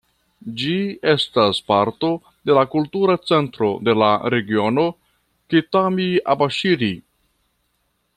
Ĝi estas parto de la Kultura Centro de la regiono Kitami-Abaŝiri.